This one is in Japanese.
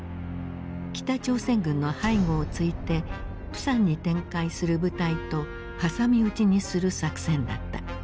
北朝鮮軍の背後をついてプサンに展開する部隊と挟み撃ちにする作戦だった。